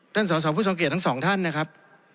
ท่านสาวผู้สังเกตทั้งสองท่านนะครับ